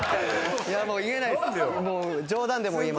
いやもう言えないです。